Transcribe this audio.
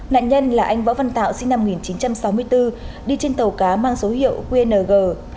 nạn nhân là anh võ văn tạo sinh năm một nghìn chín trăm sáu mươi bốn đi trên tàu cá mang số hiệu qng